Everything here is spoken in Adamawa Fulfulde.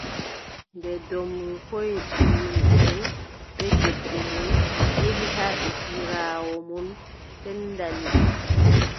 Nden doombru hooʼi ɓiyumʼen bee debbo mum, yehi haa esiraawo mum, sendani ɓe.